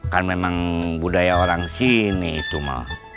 kan memang budaya orang sini itu mah